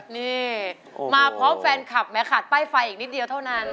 นี่มาพร้อมแฟนคลับแม้ขาดป้ายไฟอีกนิดเดียวเท่านั้น